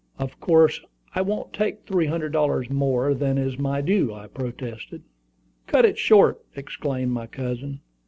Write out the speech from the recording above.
"Of course I won't take three hundred dollars more than is my due," I protested. "Cut it short!" exclaimed my cousin.